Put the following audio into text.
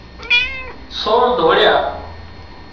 سور ڌوڙيا